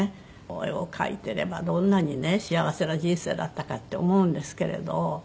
絵を描いてればどんなにね幸せな人生だったかって思うんですけれど。